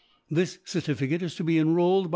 This Certificate is to be enrolled by the ♦ Chap.